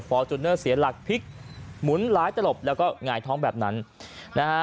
จูเนอร์เสียหลักพลิกหมุนหลายตลบแล้วก็หงายท้องแบบนั้นนะฮะ